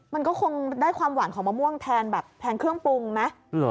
มันก็คงได้ความหวานของมะม่วงแทนแบบแทนเครื่องปรุงไหม